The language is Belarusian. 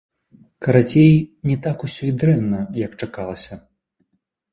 Карацей, не так усё і дрэнна, як чакалася.